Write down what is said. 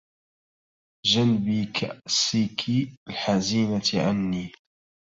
جنبي كأسك الحزينة عني